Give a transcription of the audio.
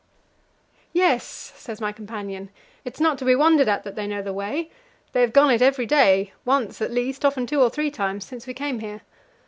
"Yes," says my companion, "it's not to be wondered at that they know the way. They have gone it every day once at least, often two or three times since we came here.